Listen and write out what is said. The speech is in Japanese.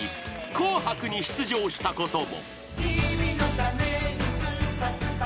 『紅白』に出場したことも］